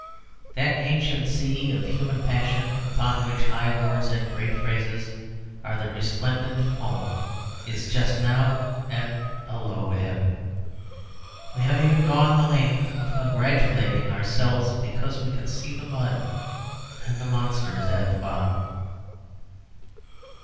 That ancient sea of human passion upon which high words and great phrases are the resplendent foam is just now at a low ebb. We have even gone the length of congratulating ourselves because we can see the mud and the monsters at the bottom.